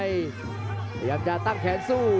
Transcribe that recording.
พยายามจะตั้งแขนสู้